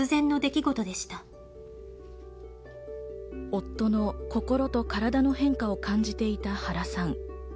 夫の心と体の変化を感じていた原さん。